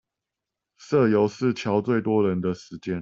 社遊是喬最多人的時間